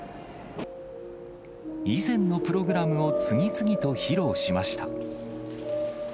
以前のプログラムを次々と披露しました。